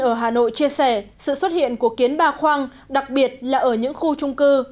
ở hà nội chia sẻ sự xuất hiện của kiến ba khoang đặc biệt là ở những khu trung cư